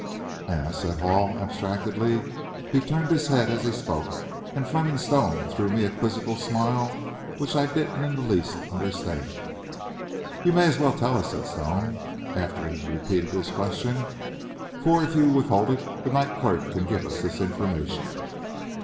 "Eh?" said Hall abstractedly. He turned his head as he spoke, and Fleming Stone threw me a quizzical smile which I didn't in the least understand. "You may as well tell us," said Stone, after he had repeated his question, "for if you withhold it, the night clerk can give us this information."